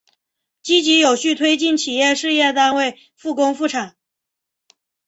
积极有序推进企事业单位复工复产